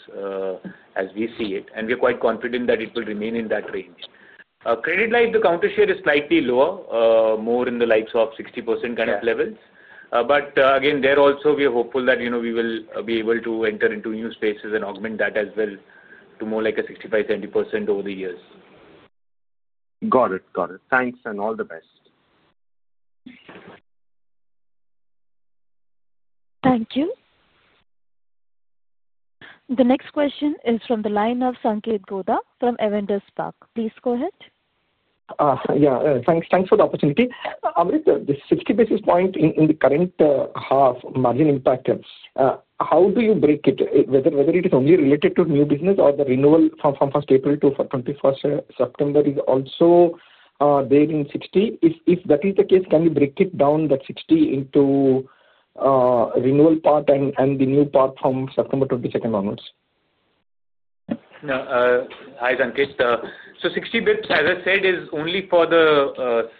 as we see it. We are quite confident that it will remain in that range. Credit-like, the counter share is slightly lower, more in the likes of 60% kind of levels. But again, there also, we are hopeful that we will be able to enter into new spaces and augment that as well to more like a 65%-70% over the years. Got it. Got it. Thanks and all the best. Thank you. The next question is from the line of [Sankeet Gowda from Evander's Park]. Please go ahead. Yeah. Thanks for the opportunity. Amrit, this 60 basis point in the current half margin impact, how do you break it? Whether it is only related to new business or the renewal from 1st April to 21st September is also there in 60 basis points? If that is the case, can you break it down, that 60 basis points into renewal part and the new part from September 22nd onwards? No. Hi, Sankeet. 60 basis point, as I said, is only for the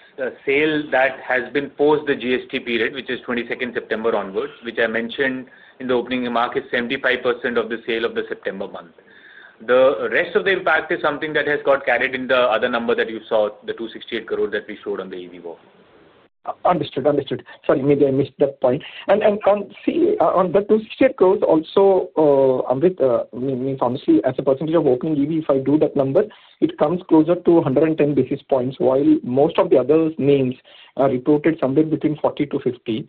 sale that has been post the GST period, which is 22nd September onwards, which I mentioned in the opening remark, is 75% of the sale of the September month. The rest of the impact is something that has got carried in the other number that you saw, the 268 crore that we showed on the EV board. Understood. Understood. Sorry, maybe I missed that point. And on that 268 crore, also, Amrit, I mean, obviously, as a percentage of opening EV, if I do that number, it comes closer to 110 basis points, while most of the other names are reported somewhere between 40%-50%.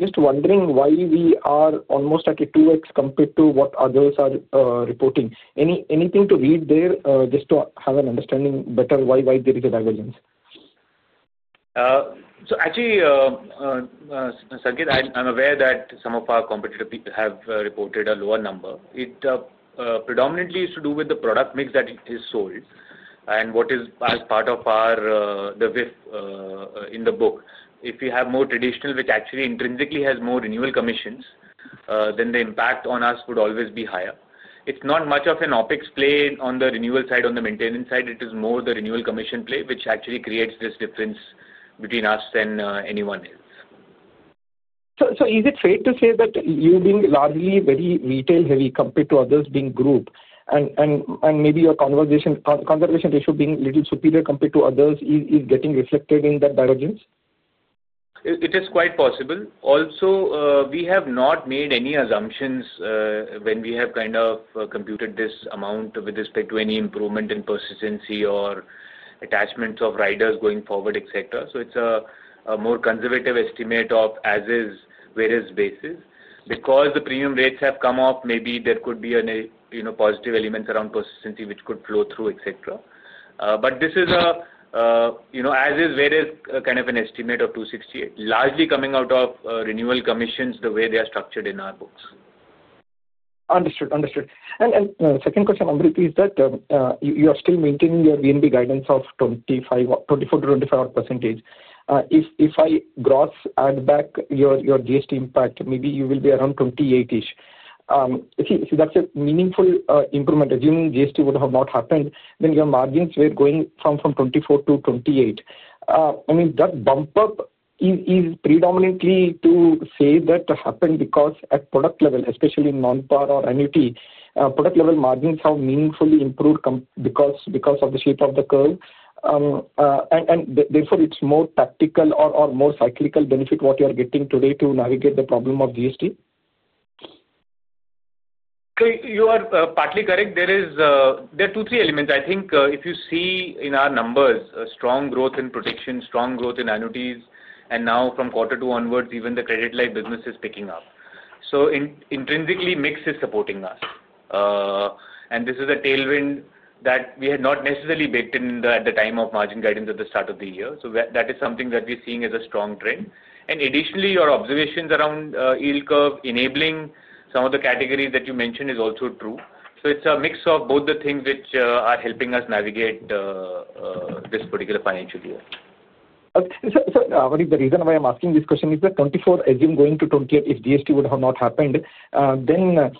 Just wondering why we are almost at a 2x compared to what others are reporting. Anything to read there just to have an understanding better why there is a divergence? Actually, Sankeet, I'm aware that some of our competitor people have reported a lower number. It predominantly is to do with the product mix that is sold and what is as part of the WIF in the book. If we have more traditional, which actually intrinsically has more renewal commissions, then the impact on us would always be higher. It's not much of an OpEx play on the renewal side, on the maintenance side. It is more the renewal commission play, which actually creates this difference between us and anyone else. Is it fair to say that you being largely very retail-heavy compared to others being group, and maybe your conservation ratio being a little superior compared to others is getting reflected in that divergence? It is quite possible. Also, we have not made any assumptions when we have kind of computed this amount with respect to any improvement in persistency or attachments of riders going forward, etc. It is a more conservative estimate of as-is whereas basis. Because the premium rates have come up, maybe there could be positive elements around persistency, which could flow through, etc. This is as-is whereas kind of an estimate of 268 crore, largely coming out of renewal commissions the way they are structured in our books. Understood. Understood. Second question, Amrit, is that you are still maintaining your VNB guidance of 24%-25%. If I gross add back your GST impact, maybe you will be around 28%. See, that is a meaningful improvement. Assuming GST would have not happened, then your margins were going from 24%-28%. I mean, that bump up is predominantly to say that happened because at product level, especially non-par or NUT, product-level margins have meaningfully improved because of the shape of the curve. Therefore, it's more tactical or more cyclical benefit what you are getting today to navigate the problem of GST? You are partly correct. There are two, three elements. I think if you see in our numbers, strong growth in protection, strong growth in annuities, and now from quarter two onwards, even the credit-like business is picking up. Intrinsically, mix is supporting us. This is a tailwind that we had not necessarily baked in at the time of margin guidance at the start of the year. That is something that we're seeing as a strong trend. Additionally, your observations around yield curve enabling some of the categories that you mentioned is also true. It's a mix of both the things which are helping us navigate this particular financial year. Amrit, the reason why I'm asking this question is that 24%, as you're going to 28%, if GST would have not happened, then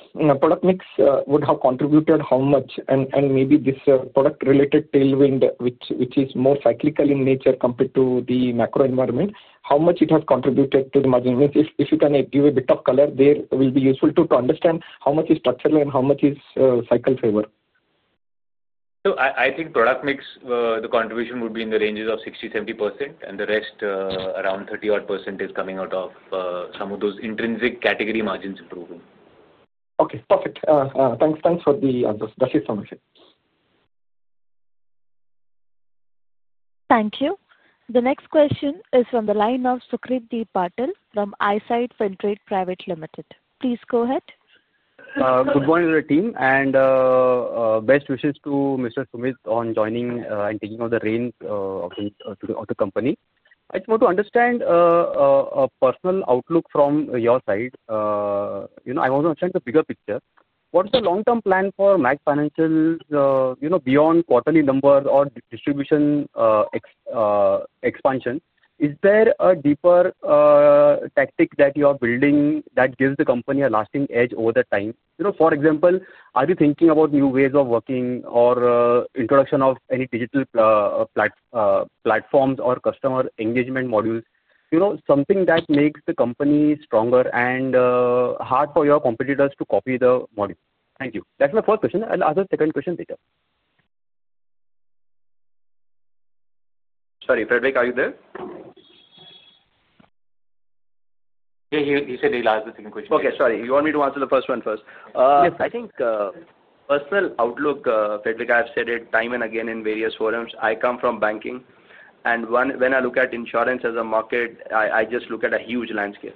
product mix would have contributed how much? Maybe this product-related tailwind, which is more cyclical in nature compared to the macro environment, how much it has contributed to the margin? If you can give a bit of color, that will be useful to understand how much is structural and how much is cycle-favor. I think product mix, the contribution would be in the ranges of 60%-70%, and the rest, around 30% or percent, is coming out of some of those intrinsic category margins improving. Okay. Perfect. Thanks for the answers. Thank you, Sankeet. Thank you. The next question is from the line of Sukrit D. Patil from Eyesight Fintrade Private Limited. Please go ahead. Good morning, team. And best wishes to Mr. Sumit on joining and taking on the reins of the company. I just want to understand a personal outlook from your side. I want to understand the bigger picture. What is the long-term plan for Max Financial beyond quarterly numbers or distribution expansion? Is there a deeper tactic that you are building that gives the company a lasting edge over the time? For example, are you thinking about new ways of working or introduction of any digital platforms or customer engagement modules? Something that makes the company stronger and hard for your competitors to copy the model. Thank you. That's my first question. I'll ask the second question later. Sorry, Sucrit, are you there? He said he'll ask the second question. Okay. Sorry. You want me to answer the first one first? Yes. I think personal outlook, Sucrit, I have said it time and again in various forums. I come from banking. When I look at insurance as a market, I just look at a huge landscape.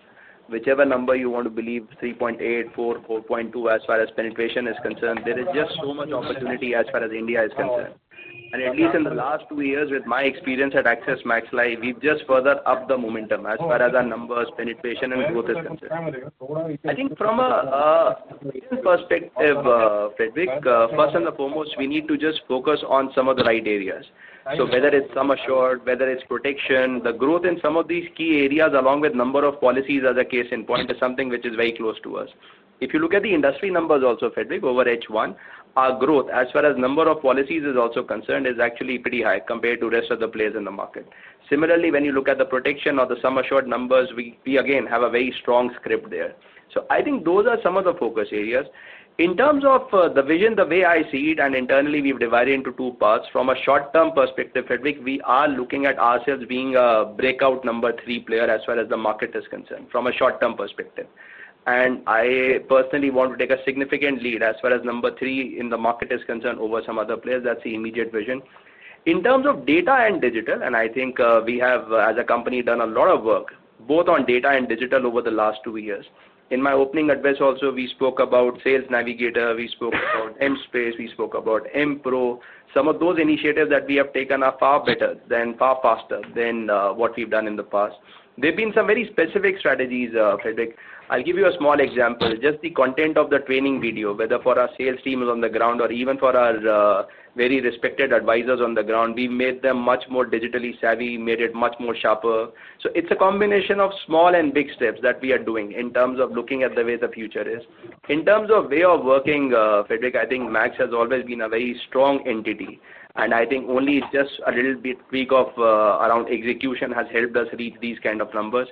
Whichever number you want to believe, 3.8, 4, 4.2, as far as penetration is concerned, there is just so much opportunity as far as India is concerned. At least in the last two years, with my experience at Axis Max Life, we've just furthered up the momentum as far as our numbers, penetration, and growth is concerned. I think from a perspective, Sucrit, first and foremost, we need to just focus on some of the right areas. Whether it's sum assured, whether it's protection, the growth in some of these key areas along with number of policies as a case in point is something which is very close to us. If you look at the industry numbers also, Sucrit, over H1, our growth as far as number of policies is also concerned is actually pretty high compared to the rest of the players in the market. Similarly, when you look at the protection or the sum assured numbers, we, again, have a very strong script there. I think those are some of the focus areas. In terms of the vision, the way I see it, and internally, we've divided into two parts. From a short-term perspective, Fredrik, we are looking at ourselves being a breakout number three player as far as the market is concerned from a short-term perspective. I personally want to take a significant lead as far as number three in the market is concerned over some other players. That's the immediate vision. In terms of data and digital, and I think we have, as a company, done a lot of work both on data and digital over the last two years. In my opening advice also, we spoke about Sales Navigator. We spoke about mSpace. We spoke about mPRO. Some of those initiatives that we have taken are far better and far faster than what we've done in the past. There have been some very specific strategies, Sucrit. I'll give you a small example. Just the content of the training video, whether for our sales team on the ground or even for our very respected advisors on the ground, we've made them much more digitally savvy, made it much more sharper. It is a combination of small and big steps that we are doing in terms of looking at the way the future is. In terms of way of working, Sucrit, I think Max has always been a very strong entity. I think only just a little bit weak around execution has helped us reach these kind of numbers.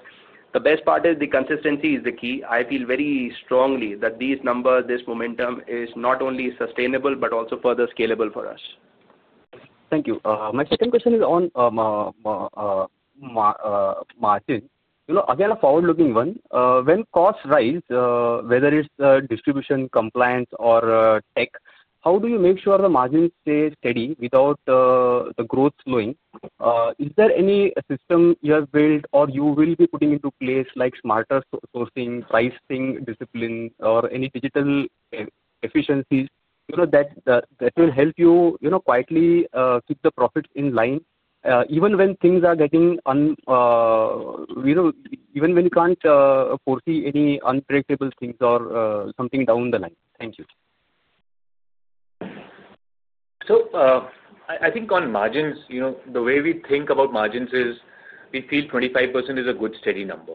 The best part is the consistency is the key. I feel very strongly that these numbers, this momentum is not only sustainable but also further scalable for us. Thank you. My second question is on margin. Again, a forward-looking one. When costs rise, whether it's distribution, compliance, or tech, how do you make sure the margins stay steady without the growth slowing? Is there any system you have built or you will be putting into place like smarter sourcing, pricing discipline, or any digital efficiencies that will help you quietly keep the profits in line even when things are getting, even when you can't foresee any unpredictable things or something down the line? Thank you. I think on margins, the way we think about margins is we feel 25% is a good steady number.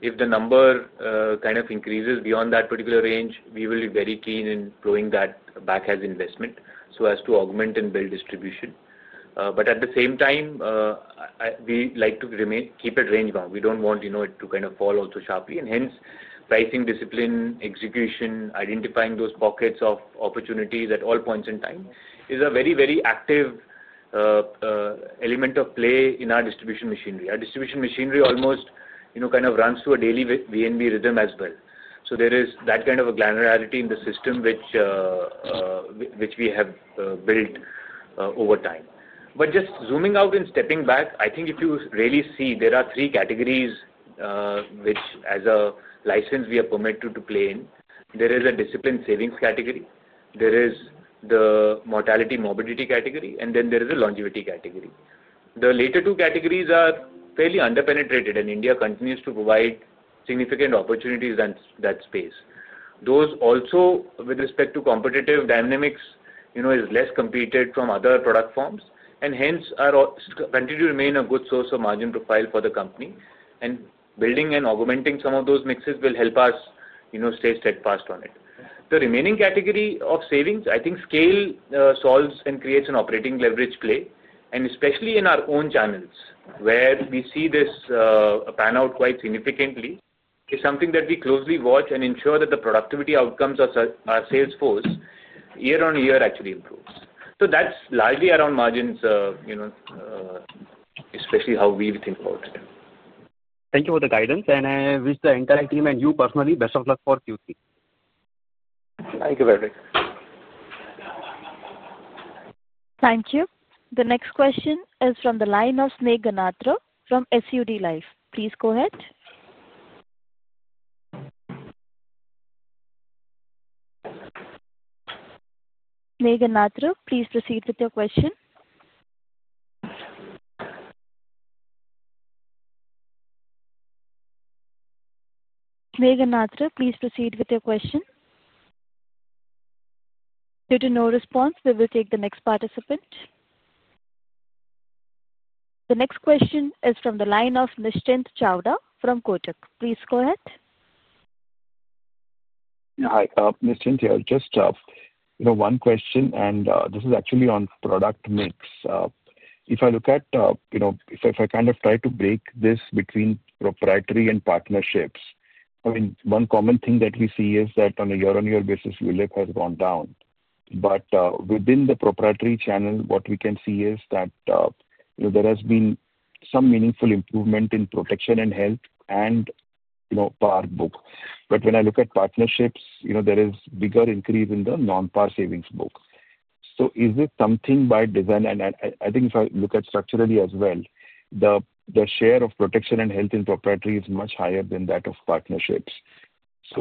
If the number kind of increases beyond that particular range, we will be very keen in throwing that back as investment so as to augment and build distribution. At the same time, we like to keep it range-bound. We do not want it to kind of fall also sharply. Hence, pricing discipline, execution, identifying those pockets of opportunities at all points in time is a very, very active element of play in our distribution machinery. Our distribution machinery almost kind of runs through a daily VNB rhythm as well. There is that kind of a granularity in the system which we have built over time. Just zooming out and stepping back, I think if you really see, there are three categories which, as a license, we are permitted to play in. There is a discipline savings category. There is the mortality/morbidity category. And then there is a longevity category. The latter two categories are fairly under-penetrated, and India continues to provide significant opportunities in that space. Those also, with respect to competitive dynamics, are less competed from other product forms and hence continue to remain a good source of margin profile for the company. Building and augmenting some of those mixes will help us stay steadfast on it. The remaining category of savings, I think scale solves and creates an operating leverage play. Especially in our own channels, where we see this pan out quite significantly, it is something that we closely watch and ensure that the productivity outcomes of our sales force year on year actually improve. That is largely around margins, especially how we think about it. Thank you for the guidance. I wish the entire team and you personally best of luck for Q3. Thank you, Sucrit. Thank you. The next question is from the line of Sneha Ganatru from SUD Life. Please go ahead. Sneha Ganatru, please proceed with your question. Due to no response, we will take the next participant. The next question is from the line of Nischint Chawathe from Kotak. Please go ahead. Hi. Just one question. This is actually on product mix. If I look at, if I kind of try to break this between proprietary and partnerships, I mean, one common thing that we see is that on a year-on-year basis, ULIP has gone down. Within the proprietary channel, what we can see is that there has been some meaningful improvement in protection and health and par book. When I look at partnerships, there is a bigger increase in the non-par savings book. Is this something by design? I think if I look at structurally as well, the share of protection and health in proprietary is much higher than that of partnerships.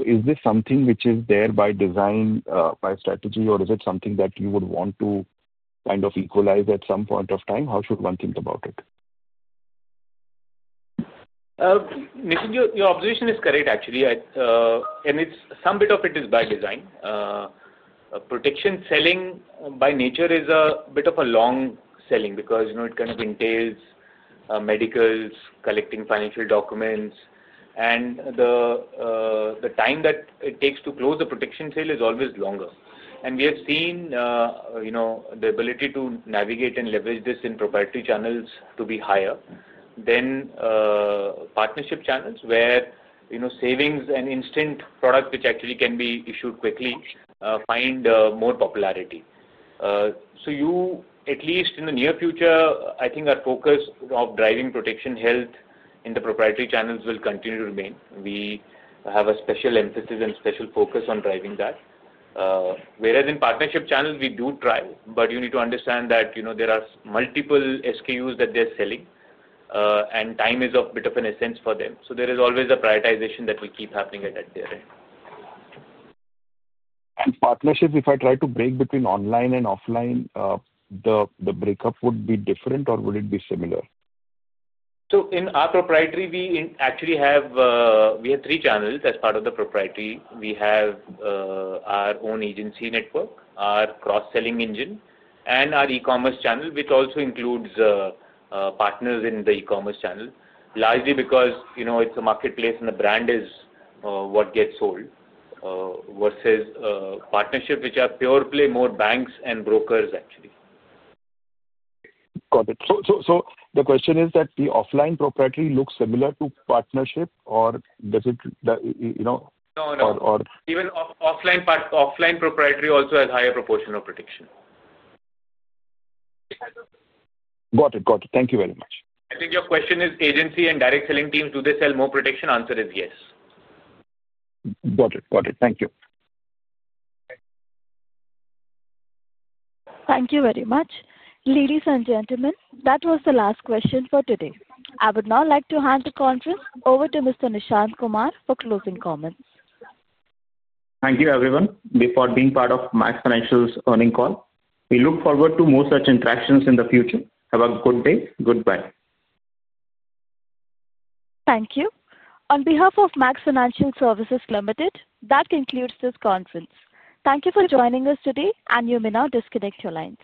Is this something which is there by design, by strategy, or is it something that you would want to kind of equalize at some point of time? How should one think about it? Your observation is correct, actually. Some bit of it is by design. Protection selling by nature is a bit of a long selling because it kind of entails medicals, collecting financial documents. The time that it takes to close a protection sale is always longer. We have seen the ability to navigate and leverage this in proprietary channels to be higher than partnership channels where savings and instant products, which actually can be issued quickly, find more popularity. At least in the near future, I think our focus of driving protection health in the proprietary channels will continue to remain. We have a special emphasis and special focus on driving that. Whereas in partnership channels, we do try. You need to understand that there are multiple SKUs that they are selling, and time is a bit of an essence for them. There is always a prioritization that will keep happening at that period. Partnership, if I try to break between online and offline, the breakup would be different or would it be similar? In our proprietary, we actually have three channels as part of the proprietary. We have our own agency network, our cross-selling engine, and our e-commerce channel, which also includes partners in the e-commerce channel. Largely because it is a marketplace and the brand is what gets sold versus partnership, which are pure play more banks and brokers, actually. Got it. The question is that the offline proprietary looks similar to partnership or does it? No, no. Even offline proprietary also has a higher proportion of protection. Got it. Got it. Thank you very much. I think your question is agency and direct selling teams, do they sell more protection? Answer is yes. Got it. Got it. Thank you. Thank you very much. Ladies and gentlemen, that was the last question for today. I would now like to hand the conference over to Mr. Nishant Kumar for closing comments. Thank you, everyone, for being part of Max Financial's earning call. We look forward to more such interactions in the future. Have a good day. Goodbye. Thank you. On behalf of Max Financial Services Limited, that concludes this conference. Thank you for joining us today, and you may now disconnect your lines.